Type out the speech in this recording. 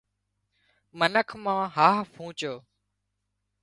منک مان هاهَه پونچو